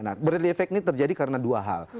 nah braille effect ini terjadi karena dua hal